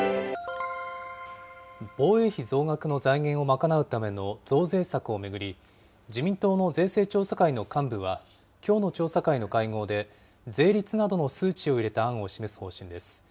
防衛費増額の財源を賄うための増税策を巡り、自民党の税制調査会の幹部は、きょうの調査会の会合で、税率などの数値を入れた案を示す方針です。